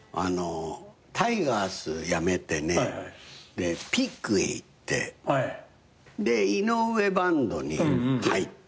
タイガース辞めてねＰＹＧへ行ってで井上バンドに入って。